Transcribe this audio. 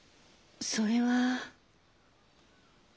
それは。